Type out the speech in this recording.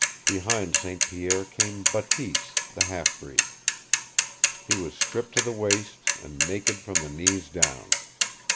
Behind St. Pierre came Bateese, the half breed. He was stripped to the waist and naked from the knees down.